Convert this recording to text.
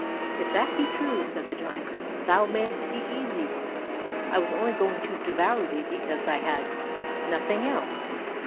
"If that be true," said the giant, "thou mayst be easy, I was only going to devour thee because I had nothing else."